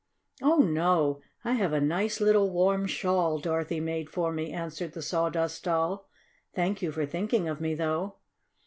"Oh, no, I have a nice little warm shawl Dorothy made for me," answered the Sawdust Doll. "Thank you for thinking of me, though."